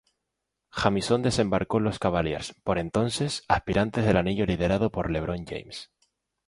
Jamison desembarcó en los Cavaliers, por entonces aspirantes al anillo liderados por LeBron James.